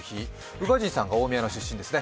宇賀神さんが大宮の出身ですね？